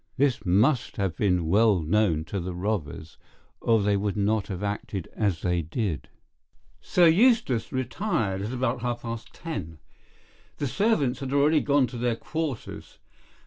This must have been well known to the robbers, or they would not have acted as they did. "Sir Eustace retired about half past ten. The servants had already gone to their quarters.